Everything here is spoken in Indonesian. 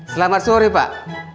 selamat sore pak